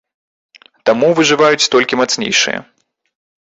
Таму выжываюць толькі мацнейшыя.